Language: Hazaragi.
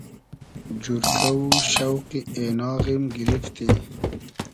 جورکۂ و شۆقی اېناغیم گیریفتی